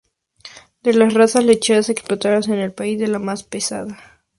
De las razas lecheras explotadas en el país es la más pesada.